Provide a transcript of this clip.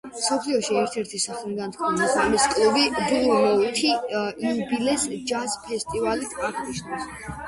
მსოფლიოში ერთ-ერთი სახელგანთქმული ღამის კლუბი „ბლუ ნოუთი“ იუბილეს ჯაზ ფესტივალით აღნიშნავს.